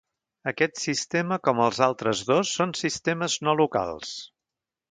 Aquest sistema com els altres dos són sistemes no locals.